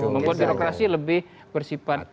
membuat birokrasi lebih bersifat